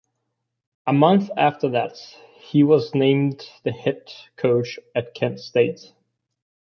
A month after that, he was named the head coach at Kent State.